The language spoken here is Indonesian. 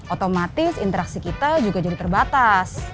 otomatis interaksi kita juga jadi terbatas